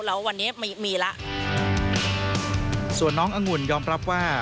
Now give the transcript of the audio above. แล้ววันนี้มีมีแล้วส่วนน้องอังุ่นยอมรับว่า